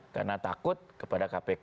karena takut kepada kpk